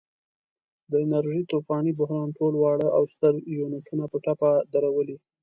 د انرژۍ طوفاني بحران ټول واړه او ستر یونټونه په ټپه درولي.